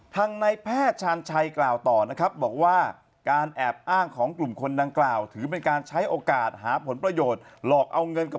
ทางในแพทย์ชาญชัยกล่าวต่อนะครับ